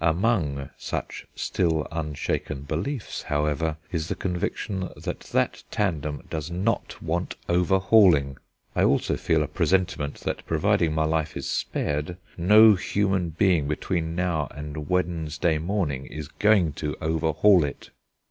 Among such still unshaken beliefs, however, is the conviction that that tandem does not want overhauling. I also feel a presentiment that, provided my life is spared, no human being between now and Wednesday morning is going to overhaul it."